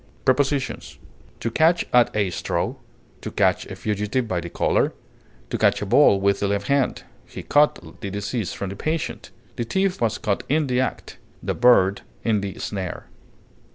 Prepositions: To catch at a straw; to catch a fugitive by the collar; to catch a ball with the left hand; he caught the disease from the patient; the thief was caught in the act; the bird in the snare.